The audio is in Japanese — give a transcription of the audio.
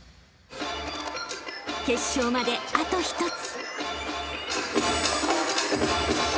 ［決勝まであと一つ］